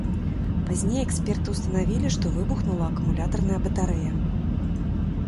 Пазней эксперты ўстанавілі, што выбухнула акумулятарная батарэя.